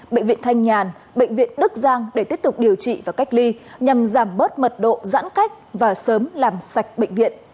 bệnh viện thanh nhàn bệnh viện đức giang để tiếp tục điều trị và cách ly nhằm giảm bớt mật độ giãn cách và sớm làm sạch bệnh viện